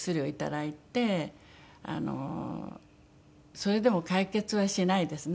それでも解決はしないですね